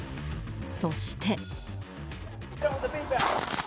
そして。